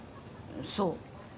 そう。